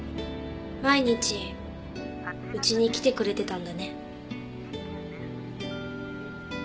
毎日うちに来てくれてたんだね。